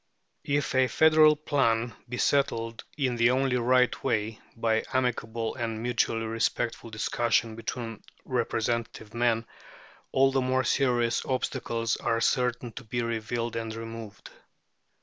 If a federal plan be settled in the only right way, by amicable and mutually respectful discussion between representative men, all the more serious obstacles are certain to be revealed and removed.